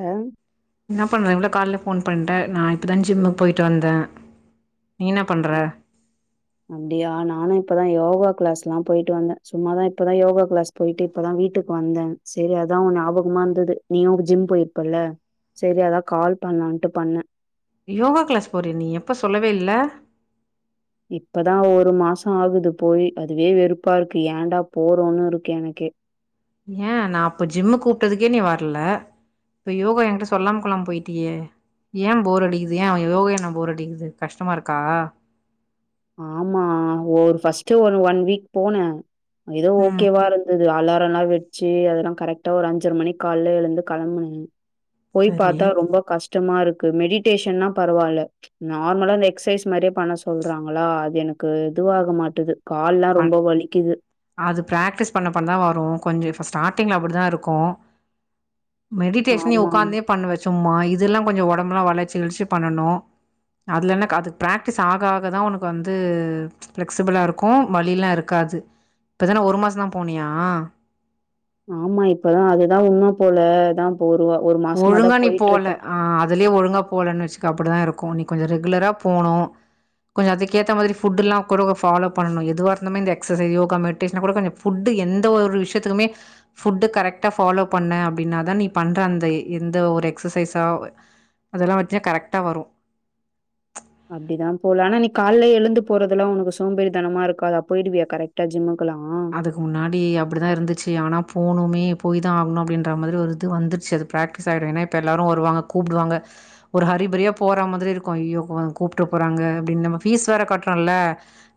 ஆம் என்ன பண்ற இவ்வுளோ கால போன் பண்ற நா இப்பதா ஜிம்முக்கு போயிட்டு வந்தேன் ம் அப்டியா நானு இப்பதா யோகா கிளாஸ் எல்லா போயிட்டு வந்தே சும்மாதா இப்பதா யோகா கிளாஸ் போயிட்டு இப்பதா வீட்டுக்கு வந்தே சரி அதா ஞாபகமா இருந்தது நீயும் ஜிம் போயிருப்பல்ல சரி அதா கால் பண்ணலான்ட்டு பண்ண யோகா கிளாஸ் போறி நீ எப்ப சொல்லவே இல்ல இப்தா ஒரு மாச ஆகுது போய் அதுவே வெறுப்பா இருக்கு ஏடா போறோன்னு இருக்கு எனக்கே ஏ நா இப்ப ஜிம்மு கூப்பிட்டதுக்கே நீ வரல இப்ப யோகா என்கிட்ட சொல்லாமகொல்லாம போயிட்டியே ஏ போர் அடிக்குத ஏ யோகான போர் அடிக்குது கஷ்டமா இருக்கா ஆமா ஒரு ஃபஸ்ட்டு ஒ ரு ஒன் வீக் போனே ஏதோ ம் ஓகேவா இருந்து அது அலாரலா எல்லா வெச்சு அதெல்லா கரெக்டா ஒரு அஞ்சர மணி கால எழுந்து கிளம்புனு போய் சரி பாத்தா ரொம்ப கஷ்டமா இருக்கு மெடிடேஷன் தா பரவாயில்ல நார்மலா எக்சசைஸ் மாரியே பண்ண சொல்றாங்க ஹலோ அது எனக்கு இதுவாக மாட்டுது கால்லாம் பன் ரொம்ப வலிக்குது. அது பிராக்டிஸ் பண்ண பண்ண தா வரும் கொஞ்சம் ஸ்டாட் ஸ்டாடிங்கள அப்டிதா இருக்கும் மெடிடேஷ ஆமா, ஆமா. உட்காந்தே பண்ணவ சும்மா இதெல்லா கொஞ்ச உடம்புலா வளர்ச்சி இழச்சி பண்ணனு அதுலன அதுக்கு பிராக்டிஸ் ஆக ஆ தா உனக்கு வந்து ப்ளெக்சிபிளாக இருக்கும் உ வழியில்லா இருக்காது இப்பதா ஒரு மாச தா போனியா ஆமா இப்பதா அதுதா உண்ம போல ஒரு வா மாசமா ஒழுங்கா தான் நீ போல போயிட்டுருக்கேன். ஆ அதுலயே ஒழுங்கா போலன்னு வச்சுக்க அப்டிதா இருக்கும் நீ கொஞ்ச ரெகுலராக போனும் கொஞ்ச அதுக்கேத்த மாரி ஃபுட்டு எல்லா கூட ஃபாலோ பண்ணனு எதுவா இருந்த மாரி இந்த எ்சஸசைஸ் யோகா மெட்டிஷன கூட கொஞ்ச ஃபுட்டு எந்த ஒரு விஷயத்துக்குமே புட்டு கரக்டா ஃபாலோ பண்ண அப்பிடின தா நீ பண்ற அந்த எந்த ஒரு எக்சசைஸா அதெல்லாம் வச்சினா கரெக்டா வரு அப்டிதா போல ஆனா நீ கால எழுந்து போறதுலா உனக்கு சோம்பேறி தனமா இருக்கா தா போயிடுவியா கரெக்டா ஜிம்முக் அதுக்கு முன்னாடி அப்பிடிதா இருந்துச்சு ஆனா போனுமே போய் தா ஆகணு அப்டின்ற மாரி ஒரு இது வந்துருச்சு அது பிராக்டிஸ் ஆகிடு ஏன்னா இப்போ எல்லாரு வருவாங்க கூப்பிடுவாங்க ஒரு ஹரிபரியா போற மாதிரி இருக்கு ஐயோ கூப்ற்ற போறாங்க அப்பிடின்னு நம்ம ஃபீஸ் வேற கட்றல்ல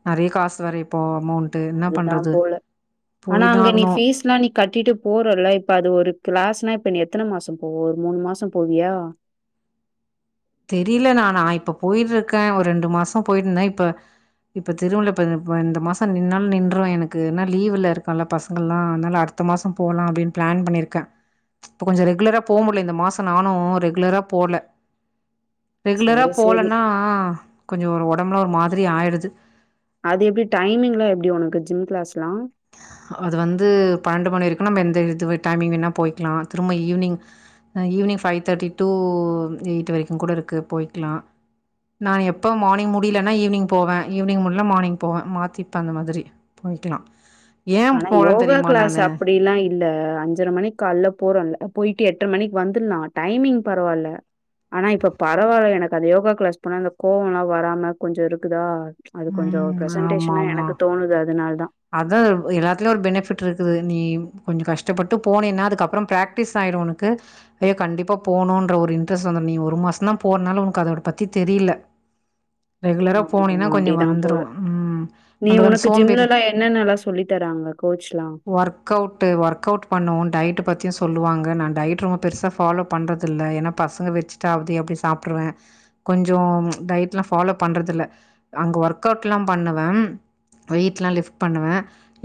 நறைய காசு இப்போ அமொவுண்ட் இது என்ன அதுதான் பண்றது போல ஆனா தான் அங்க நீ ஆகணும். பீஸ் எல்லா நீ கட்டிட்டு போறல இப்ப அது ஒரு கிளாஸ்னா நீ எத்தன மாசம் போவோம் ஒரு மூணு மாச போவியா தெரியல நா நா இப்ப போயிட்டு இருக்கே ஒரு ரெண்டு மாச போயினு இருந்தே இப்ப இப்ப தெரும்ல இப்ப இந்த மாச நின்னாலு நின்றுஎனக்கு ஏன்னா லீவ் ல இருக்கல்ல பசங்கள் எல்லா அதனால அடுத்த மாச போலா அப்பிடின்னு பிளான் பண்ணிருக்கே இப்ப கொஞ்ச ரெகுலரா போக முடியல இந்த மாச நானு ரெகுலரா போல ரெகுலரா சேரி, சேரி. போலன்னா கொஞ்ச ஒருஒர்க் உடம்புலா ஒரு மாரி ஆயிடுது அது எப்பிடி டைமிங் எல்லா எப்பிடி உனக்கு ஜிம் கிளாஸ் எல்லாம் அது வந்து பன்னெண்டு மணி வரைக்கு நம்ப எந்த இது டைமிங் வேனா போய்கலாம் திரும்ப evening evening five thirty to eight வரைக்கு கூட இருக்கு போயிக்கலா நா எப்போ மார்னிங் முடியலன்னா ஈவினிங் போவே ஈவினிங் முடியல மார்னிங் போவே மாத்திப்ப அந்த மாரி போயிக்கலாம் ஆனா யோகா கிளாஸ் அப்பிடி எல்லா இல்ல அஞ்சர மணி கால்ல போறோம்ல போயிட்டு எட்டரை மணிக்கு வந்துடலா டைமிங் பரவால்ல ஆனா இப்ப பரவால்ல எனக்கு அந்த யோகா கிளாஸ் போனா அந்த கோவோல்லா வராம கொஞ்ச இருக்குதா அது கொஞ்சோ ம் ஆமா ப்ரசன்டேஷனா ஆமா எனக்கு தோணுது அதனாலதா அதா எல்லாத்துலயு ஒரு பெனிஃபிட் இருக்குது நீ கொஞ்ச கஷ்டப்பட்டு போனேன்னா அதுக்கப்புறம் பிராக்டிஸ் ஆயிரு உனக்கு ஐயோ கண்டிப்பா போகணுன்ற ஒரு இன்ட்ரெஸ்ட் வந்துடு நீ ஒரு மாசம்தா போனனால உனக்கு அதோட பத்தி தெரியல ரெகுலரா போனீனா ஆமாமா கொஞ்சம் அப்டிதான் வந்துரு போல. உம் நீ நம்மள அந்த உனக்கு சோம்பேறி ஜிம்லலாம் என்னென்னலாம் சொல்லி தராங்க கோச்லாம்? ஒர்க் அவுட்டு ஒர்க் அவுட் பண்ணுவோ டயட்ட பத்தியு சொ ல்லுவாங்க நா டயட் ரொம்ப பெருசா ஃபாலோ பண்றதில்ல ஏன்னா பசங்க வெச்சிட்டு அப்டி அப்டியே சாப்ட்ருவே கொஞ்சோ டயட்லா ஃபாலோ பண்றதில்ல அங்க ஒர்க்அவுட்லா பண்ணுவே வெய்ட்லா லிஃப்ட் பண்ணுவே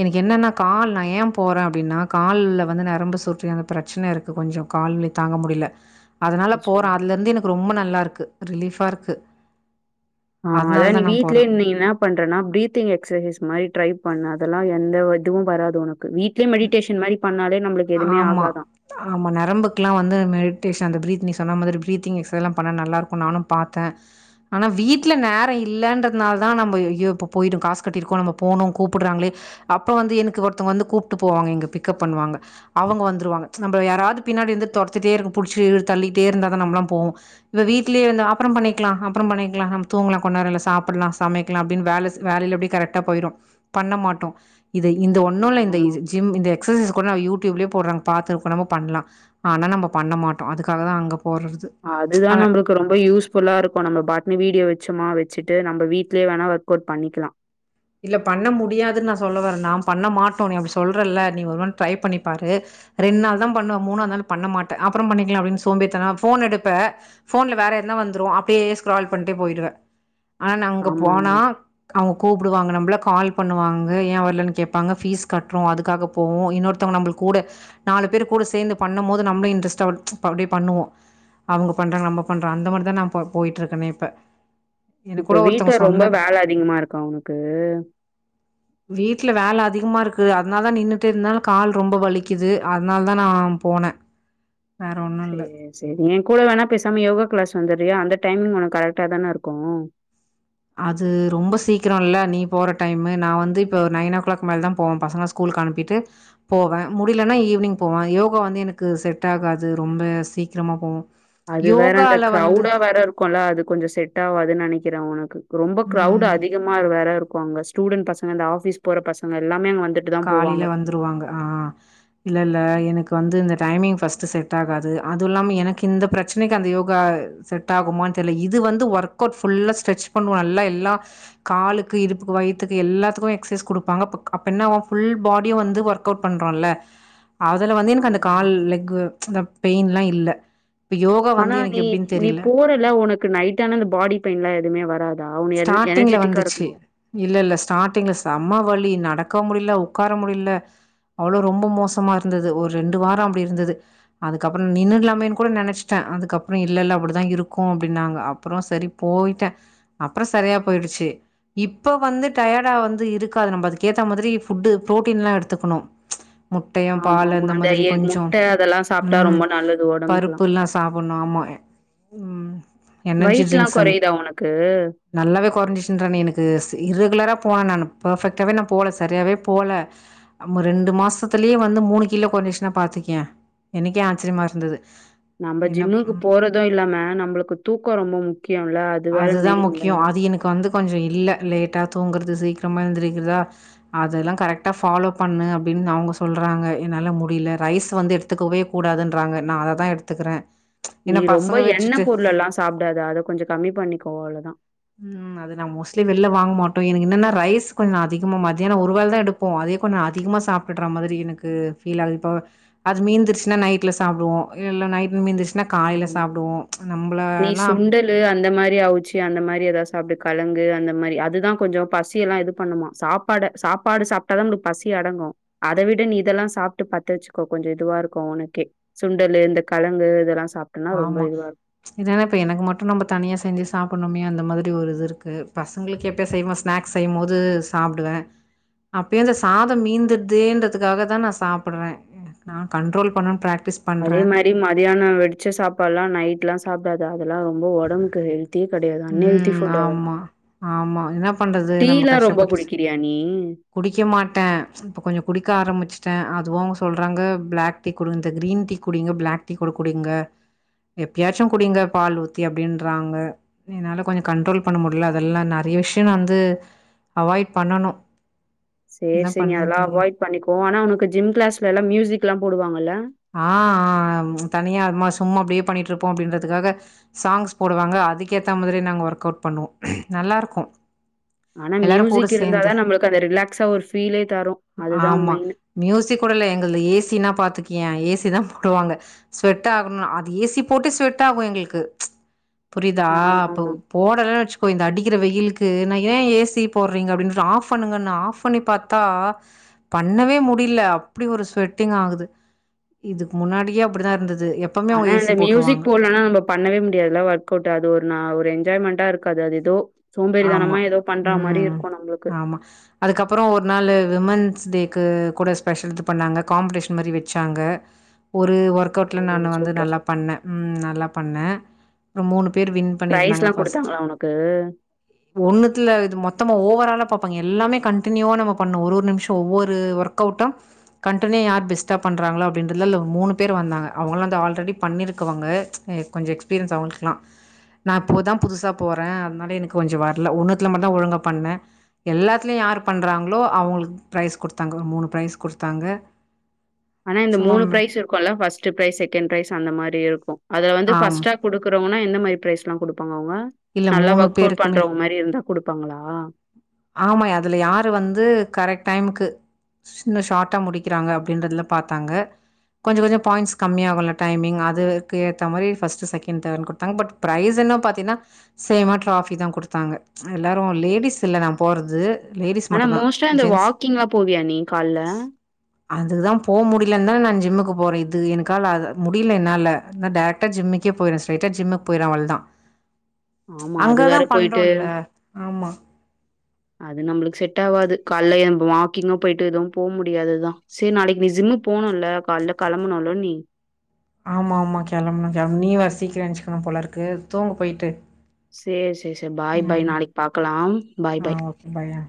எனக்கு என்னென்னா கால் நா ஏன் போறேன் அப்டின்னா கால்ல வந்து நரம்பு சுற்றுன அந்த பிரச்சன இருக்கு கொஞ்ச கால்வலி தாங்க முடியல அதனால அச்சச்சோ! போறே அதுல இருந்து எனக்கு ரொம்ப நல்லா இருக்கு க்கு ரிலீஃபா இருக்கு ஆஹ் அதா நீ வீட்லயே நீ என்ன பண்றனா பிரீத்தி்ங் எக்ஸசைஸ் மாரி ட்ரை பண்லா அதெல்லா எந்த இதுவு வராது உனக் ம் எதுவுமே ஆமா ஆகாதாம். ஆமா நரம்புக்கெல்லா வந்து மெடிேஷன் அந்த பிரீ்த்னெஸ் சொன்ன மாதிரி பிரீத்திங் எக்ஸைஸ்லா பண்ணா நல்லாருக்கும் நானும் பாத்தே ஆனா வீட்ல நேர இல்லன்றதுனாலதா நம்ம ஐயோ இப்ப போயிடு காசு கட்டிருக்கோ நம்ம போகணு கூப்டுறாங்களே அப்ப வந்து எனக்கு ஒருத்தங்க வந்து கூப்ட் ட்டு போவாங்க இங்க பிக்கப் பண்ணுவாங்க அவங்க வந்துருவாங்க நம்ப யாராவது பின்னாடி இருந்து தொரத்திட்டே இருக்னு புடிச்சு தள்ளிட்டே இருந்தாதா நம்மல்லாம் போவோ இப்ப வீட்லயே இருந்து அப்புறம் பண்ணிக்கலா அப்புறம் பண்ணிக்கலாம் நம்ம தூங்கலா கொஞ்ச நேர இல்ல சாப்படலா சமைக்கலா அப்டின்னு வேல செய் வேலைல அப்டியே கரெக்டா போயிரு பண்ண மாட்டோ இது இந்த ஆமா, ஒன்னுல்ல இந்த ஆமா. இது இந்த எக்சசைஸ் கூட நா யூடியூப்லயே போட்றாங்க பாத்து கூட நம்ம பண்லா ஆனா நம்ப பண்ண மாட்டோ அதுக்காகதா அங்க போறது அதுதா அ நம்பளுக்கு ரொம்ப யூஸ்ஃபுல்லா இருக்கு நம்ம பாட்டுனு வீடியோ வச்சோமா வெச் ச்சிட்டு நம்ப வீட்லயே வேணாலு ஒர்க் அவுட் பண்ணிக்கலா இல்ல பண்ண முடியாதுன்னு நா சொல்ல வரல நா பண்ண மாட்டோ நீ அப்டி சொல்றல்ல நீ ஒரு நாள் ட்ரை பண்ணி பாரு ரெண்டு நாள்தா பண்ணுவ மூணாவது நாள் பண்ண மாட்ட அப்புறம் பண்ணிக்கலா அப்டின்னு சோம்பேறித்தனோ ஃபோன் எடுப்ப ஃபோன்ல வேற எதனா வந்துரு அப்டியே ஸ்க்ரால் பண்ட்டே போயிருவே ஆனா அங்க போனா ஆமாமா. அவங்க கூப் ப்பிடுவாங்க நம்பள கால் பண்ணுவாங்க ஏன் வரலன்னு கேப்பாங்க ஃபீஸ் கட்றோ அதுக்காக போவோ இன்னொருத்தவங்க நம்பளுக்கு கூட நாலு பேர் கூட சேந்து பண்ணும் போது நம்ளு இன்ட்ரெஸ்ட்டா அப்டியே பண்ணுவோ அவங்க பண்றாங்க நம்ம பண்றோ அந்த மாரிதா நா இப்ப போயிட்ருக்கே இப்ப எனக்கு இப்ப கூட வீட்ல ஒருத்தவங்க ரொம்ப சொன்னது வேல அதிகமா இருக்கா உனக் க்கு வீட்ல வேல அதிகமா இருக்கு அதனால நின்னுட்டு இருந்தாலு கால் ரொம்ப வலிக்குது அதனாலதா நா போனே வேற ஒன்னு இல்ல சேரி சேரி ஏன் கூட வேண்ணா பேசாம யோகா கிளாஸ் வந்தர்றயா அந்த டைமிங் உனக்கு கரெக்டாதான இருக்கும் அது ரொம்ப சீக்கிரோ இல்ல நீ போற டைமு நா வந்து இப்ப நைன் ஓ கிளாக் மேலதா போவே பசங்கள ஸ்கூலுக்கு அனுப்பிட்டு போவே முடியலன்னா ஈவினிங் போவே யோகா வந்து எனக்கு செட் ஆகாது ரொம்ப சீக்கிரமா போ அது வேற அந்த க்ரௌடா வேற இருக்கும்ல அது கொஞ்ச செட் ஆவாதுன்னு நெனைக் க்கிறே உனக்கு ரொம்ப க்ரௌடு ம். அதிகமா வேற இருக் ப்பாங்க ஸ்டூடண்ட் பசங்க இந்த ஆஃபீஸ் போற பசங்க எல்லாமே அங்க வந் காலைல வந்துருவாங்க ஆஹ் இல்ல இல்ல எனக் வந்து இந்த டைமிங் ஃபர்ஸ்ட்டு செட் ஆகாது அதுவு இல்லாம எனக்கு இந்த பிரச்சனைக்கு அந்த யோகா செட் ஆகுமானு தெர்ல இது வந்து ஒர்க் அவுட் ஃபுல்லா ஸ்ட்ரெச் பண்ணுவோ நல்லா எல்லா காலுக்கு இடுப்புக்கு வயித்துக்கு எல்லாத்துக்குமே எகஸசைஸ் கொடுப்பாங்க அப்போ க் என்ன ஆவு ஃபுல் பாடிய வந்து ஒர்க் அவுட் பண்றோம்ல அதுல வந்து எனக்கு அந்த ஆமாமா. கால் லெக் அந்த பெயின்லா இல்ல இப்ப யோகா வந்து ஆனா எனக்கு நீ எப்டின்னு நீ தெரில போறல உனக்கு நைட்டான அந்த பாடி பெயின்லாம் எதுவுமே வராது ஸ்டார்ட்டிங்கில வந்துச்சு இல்ல இல்ல ஸ்டார்டிங்கில செம வலி நடக்க முடியல உட்கார முடியல அவ்வளவு ரொம்ப மோசமா இருந்தது ஒரு ரெண்டு வாரம் அப்படி இருந்தது அதுக்கப்புறம் நின்றுலாமேன்னு கூட நெனைச்சிட்டேன் அதுக்கப்புறம் இல்ல இல்ல அப்படிதான் இருக்கும் அப்படின்னாங்க அப்புறம் சரி போயிட்டேன் அப்புறம் சரியா போயிடுச்சு இப்ப வந்து டயர்டா வந்து இருக்காது நம்ம அதுக்க ஏத்த மாதிரி ஃபுட்டு புரோட்டீன் எல்லாம் எடுத்துக்குணும் முட்டையும் பால் ஆமாமா. இந்த அந்த மாரி எ கொஞ்சம் முட்டை அதெல்லாம் சாப்ட்டா உம் ரொம்ப நல்லது உடம்புக்குலாம். பருப்புல்லாம் சாப்பிடுணும் ஆமாம் எனர்ஜி வெயிட்லாம் ட்ரிங்க்ஸ் அந் குறையுதா உனக்கு? நல்லாவே குறைஞ்சிச்சுறேன் எனக்கு இர்ரெகுலரா போனே நானு பர்ஃபெக்டாவே நான் போல சரியாவே போல ரெண்டு மாசத்துலேயே வந்து மூணு கிலோ கொரஞ்சினா பாத்துக்கியே எனக்கே ஆச்சிரியமா இருந்தது நம்ம என்ன ஜிம்முக்கு ம் போறதும் இல்லாம நம்மளுக்கு தூக்கம் ரொம்ப முக்கியோ அதுதான் முக்கியம் அது எனக்கு வந்து கொஞ்சம் இல்ல லேட் கா தூங்குறது சீக்கிரமா எந்திருக்கிறதா அதெல்லாம் கரெக்டா பா ஃலோ பண்ணு அப்படின்னு அவங்க சொல்றாங்க என்னால முடியல ரைஸ் வந்து எடுத்துக்கவே கூடாதுன்றாங்க நான் அததான் எடுத்துக்கிறேன் நீ ரொம்ப எண்ணெய் பொருள் எல்லாம் சாப்புடாத அத கொஞ்சம் கண் உம் அது நான் மோஸ்ட்லி வெளில்ல வாங்க மாட் எனக்கு என்னான ரைஸ் கொஞ்சம் அதிகமா மத்தியானம் ஒருவேளதான் எடுபோம் அதே கொஞ்சம் அதிகமா சாப்டுற மாதிரிக்கு அது மீந்துருச்சு நா நைட்ல சாப்டுவோம் இல்ல நைட்டு மீந்துச்சுன நா காலையில ஆமா. சாப்புடுவோம் நீ நம்பலனா சுண்டலு அந்த மாதிரி அவுச்சு அந்த மாரி ஏதா சாப்பி கலங்கு அந்த மாரி அதுதான் கொஞ்சம் பசியில்லாம இது பண்ணுமா சாப்பாட சாப்பாடு சாப்பிட்ட தான் நமளுக்கு பசி அடங்கும் அதை விட நீ இதெல்லாம் சாப்பிட்டு பத்த வச்சுக்கோ கொஞ்சம் இதுவா இருக்கும் உனக்கே சுண்டலு இந்த கலங்கு இதெல்லாம் ஆமா இதானே இப்ப எனக்கு மட்டும் நம்ம தனியா செஞ்சு சாப்புடுணுமே அந் இந்த மாதிரி ஒரு இது இருக்கு பசங்களுக்கு எப்பயும் செய்போது ஸ்நாக்ஸ் செய்யும்போது சாப்புடுவேன் அப்டியே இந்த சாதம் மீந்துடுதுதே நான் சாப்புடுவேன் நா கண்ரோல் பண்ண அதே மாரி மதியானம் வெடிச்ச சாப் அப்பெல்லாம் நைட்லாம் சாப்பிடாத அதெல்லாம் ரொம்ப உடம்புக்கு உம் ஆமா ஆமா என்ன பண்றது நம்ம டீலா ரொம்ப கஷ்டப்பட்டு குடிக்கிறியா நீ குடிக்க மாட்டேன் இப்ப கொஞ்சம் குடிக்க ஆரம்பிச்சிட்டேன் அதுவும் சொல்றாங்க பிளாக் டீ குடுங்க இந்த கிரீன் டீ குடிங்க பிளாக் டீ குடிங்க எப்பயாச்சும் குடிங்க பால் ஊத்தி அப்படின்றாங்க என்னால கொஞ்சம் கண்ரோல் பண்ண முடியல அதெல்லாம் நெறைய விஷயம் நா வந்து அவாய்ட் பண்ணனும் சேரி சேரி நீ அதெல்லாம் அவாய்ட் பண்ணிகோ ஆனா உனக்கு ஜிம் கிளாஸ்ல எல்லாம் மியூசிக்லாம் போடுவாங்கல்ல ஆஹஹஹஹ தனியா அம்மா சும்மா அப்படியே பண்ணிட்டு இருப்போம் அப்படின்றதுகாக சாங்ஸ் போடுவாங்க அதுக்கேத்த மாதிரி நாங்கள் ஒர்க் அவுட் பண்ணுவோம் நல்லா இருக்கும் ஆனா மியூசிக் இருந்தாதான் நம்மளுக்கு அந்த ரிலாக்ஸா ஒரு பீஃலே தரும் அதுதான் ஆமா. மெயினு ஏன் ஏசி தான் போடுவாங்க ஸ்வெட் ஆகணும் அது ஏசி போட்டு ஸ்வெட்டர் ஆகு எங்களுக்கு புரியுதா அப்போ ஆமாமா. போடலனு வச்சுக்கோ இந்த அடி அடிக்கிற வெயிலுக்கு நான் ஏன் ஏசி போடுறீங்க அப்புடனு ஆஃப் பண்ணுங்கன்ன ஆஃப் பண்ணி பாத்தா பண்ணவே முடியல அப்பிடி ஒரு ஸ்வெட்டிங் ஆகுது இதுக்கு முன்னாடியே அப்படிதான் இருந்தது எப்பவுமே ஆனா அவங்க இந்த ஏசி மியூசிக் போட்டுருவாங்க. போடுலன்னா நம்ம பண்ணவே முடியாதுல்லாம் ஒர்க் அவுட் அது ஒரு நா ஒரு என்ஜாய்மெண்டா இருக்காது அது ஏதோ ஆமா சோம்பேறித்தனமா ஏதோ பண்ற மாரி உம் இருக்கும் நம்மளுக்கு. ஆமா அதுக்கப்றோ ஒரு நாளு விமன்ஸ் டேக் க்கு கூட ஸ்பெஷல் இது பண்ணாங்க காம்படிஷன் மாரி வெச்சாங்க ஒரு ஒரு ஒர்க் ஓ! அவுட்ல நானு வந்து சூப்பர் நல்லா சூப் பண்ணே உம் நல்லா பண்ணே அ மூணு ப்ரைஸ்லா குடுத்தாங்களா உனக்கு ஒண்ணுத்துல இது மொத்தமா ஓவரால பா ப்பாங்க எல்லாமே கன்டினியூவா நம்ம பண்ணணோ ஒரு ஒரு நிமிஷோ ஒவ்வொரு ஒர்க்கவுட்டோ கண்டினியூ யார் பெஸ்ட்டா பண்ணுறாங்களோ அப்டின்றதுல மூணு பேர் வந்தாங்க அவங்கலா வந்து ஆல்ரெடி பண்ணியிருக்கவங்க கொஞ்சோ எக்ஸ்பீரியன்ஸ் அவங்களுக்குலா நா இப்போதா புதுசா போறே அதனால எனக் கொஞ்சோ வர்ல ஒன்னுத்துல மட்டுந்தா ஒழுங்கா பண்ணே எல்லாத்துலயு யார் பண்றாங்களோ அவங்களுக்கு ப்ரைஸ் குடுத்தாங்க ஒரு மூணு ப்ரைஸ் குடுத்தாங்க ஆனா இந்த சும்மா மூணு ப்ரைஸ் இருக்குல்ல ஃபர்ஸ்ட் ப்ரைஸ் செகெண்ட் ப்ரைஸ் அந்த மாரி இருக்கு அதுல வந்து ஆம் ஃபர்ஸ்டா குடுக்குறவன எந்த மாரி ப்ரைஸ்லா குடுப்பாங்க இல்ல நல்லா மூணு ஒர்க் அவுட் பேருக்குமே பண்றவங்க மாரியிருந்தா குடுப்பாங்களா ஆமா அதுல யாரு வந்து கரெக்ட் டைமுக்கு சின்ன ஷார்ட்டா முடிக்குறாங்க அப்டின்றதுல பாத்தாங்க கொஞ்சோ கொஞ்சோ பாயிண்ட்ஸ் கம்மி ஆகுல்ல டைமிங் அதுக்கு ஏத்தா மாரி ஃபஸ்ட் செகெண்ட் தேர்டுன்னு குடுத்தாங்க பட் ப்ரைஸெல்லா பாத்தீங்கன்னா சேமா ட்ராபிதா குடுத்தாங்க எல்லாரு லேடிஸ் இல்ல நா போறது ஆனா மோஸ்ட்டா இந்த ஜென்ட்ஸ் வாக்கிங்லா போவியா நீ கால்ல அதுதா போ முடியலன்னுதா நா ஜிம்முக்கு போறே இது எனுக்கால முடியல என்னால நா டேரக்டா ஜிம்முக்கே போயிறே ஸ்ட்ரைட்டா ஜிம்முக்கு போயிறே அவ்ளதா ஆமா. அது அங்கதா வேற போயிட்டு பண்றோல்ல ஆமா அது நம்மளுக்கு செட் ஆவாது கால்ல எம்பு வாக்கிங்கு போயிட்டு இதுவு போ முடியாதுதா செரி நாளைக்கி நீ ஜிம்முக்கு போகணுல காலைல கெளம்பனுல நீ ஆமா ஆமா கெளம்பணு கெளம்பணு நீ வேற சீக்றோ ஏஞ்ச்சுக்கணு போலருக்கு தூங்கு போயிட்டு சேரி சேரி சேரி பாய் பாய் ம். நாளைக்கு பாக்கலா பாய் ஆ பாய் ஓகே. பாய். ஆ.